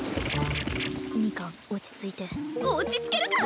ミカン落ち着いて落ち着けるか！